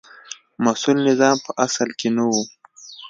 مسوول نظام په اصل کې نه و.